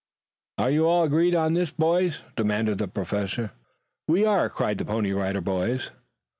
"Are you all agreed on this, boys?" demanded the Professor. "We are," cried the Pony Rider Boys.